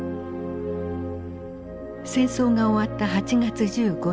戦争が終わった８月１５日。